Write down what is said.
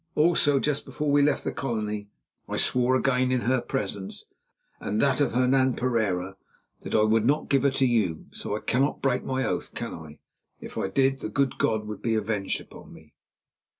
Also, just before we left the Colony, I swore again, in her presence and that of Hernan Pereira, that I would not give her to you, so I cannot break my oath, can I? If I did, the good God would be avenged upon me."